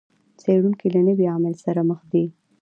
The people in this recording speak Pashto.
څېړونکي له نوي عامل سره مخ دي.